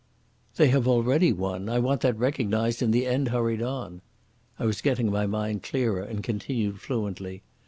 "They have already won. I want that recognised and the end hurried on." I was getting my mind clearer and continued fluently.